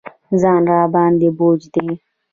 ځان راباندې بوج دی.